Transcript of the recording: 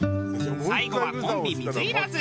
最後はコンビ水入らず。